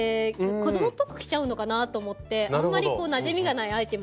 子供っぽく着ちゃうのかなと思ってあんまりなじみがないアイテムだったんですけど。